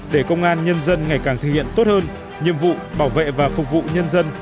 để công an nhân dân ngày càng thực hiện tốt hơn nhiệm vụ bảo vệ và phục vụ nhân dân